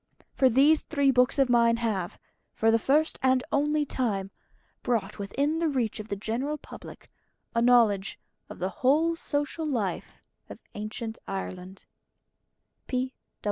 For these three books of mine have, for the first and only time, brought within the reach of the general public a knowledge of the whole social life of Ancient Ireland.